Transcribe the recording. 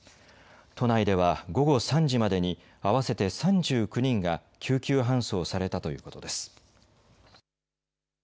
都内では午後３時までに合わせて３９人が救急搬送されたということです。